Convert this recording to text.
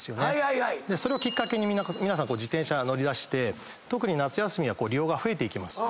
それをきっかけに自転車乗りだして特に夏休みは利用が増えていきます。